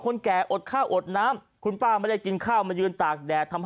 แก่อดข้าวอดน้ำคุณป้าไม่ได้กินข้าวมายืนตากแดดทำให้